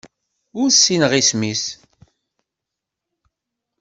Ur ssineɣ isem-is.